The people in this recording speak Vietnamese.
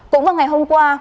cũng vào ngày hôm qua